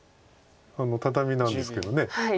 畳なんですけど。